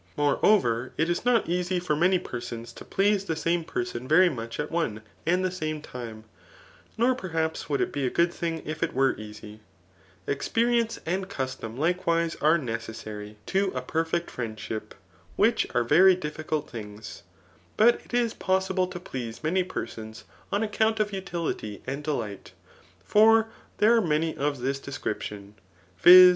Moreover, it is not easy for many persons to please the same person very much at one and the same time^ nor perhaps would it be a good thing if it were easy. £x i perience and custom, likewise, are necessary [to a per Digitized by Google tUAi^. ifu ETkic^. sol feet friendship], which are very diflicuh things* But it h possible to please many persons, on account of utility and delight ; for there are many of this description^ \\it.